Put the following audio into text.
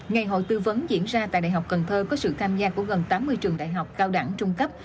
ngày hội tư vấn diễn ra tại đại học cần thơ có sự tham gia của gần tám mươi trường đại học cao đẳng trung cấp